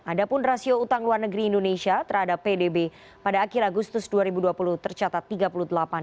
adapun rasio utang luar negeri indonesia terhadap pdb pada akhir agustus dua ribu dua puluh tercatat tiga puluh delapan persen